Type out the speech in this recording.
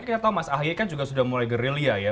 kita tahu mas ahy kan juga sudah mulai gerilya ya